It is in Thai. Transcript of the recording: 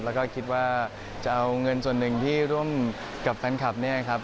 แล้วก็คิดว่าจะเอาเงินส่วนหนึ่งที่ร่วมกับแฟนคลับเนี่ยครับ